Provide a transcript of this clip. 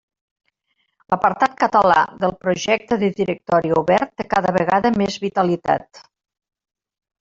L'apartat català del Projecte de Directori Obert té cada vegada més vitalitat.